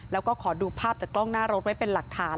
แล้วก็ขอดูภาพจากกล้องหน้ารถไว้เป็นหลักฐาน